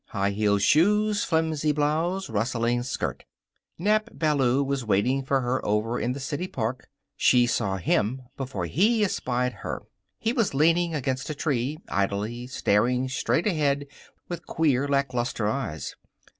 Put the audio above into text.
High heeled shoes, flimsy blouse, rustling skirt. Nap Ballou was waiting for her over in the city park. She saw him before he espied her. He was leaning against a tree, idly, staring straight ahead with queer, lackluster eyes.